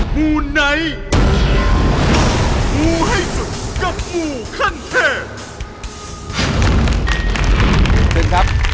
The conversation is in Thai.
หมูไนท์หมูให้สุดกับหมูขั้นแทน